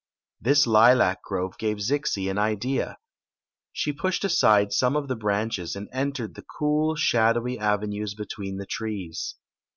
This lilac grove gave Zixi an idea. She pushed aside some of the branches and entered the cool, shadowy avenues between the trees.